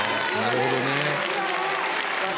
なるほどね。